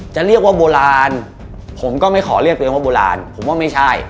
จะเรียกว่าโบราณผมก็ไม่คอเรียกตัวมัวโบราณไม่ใช่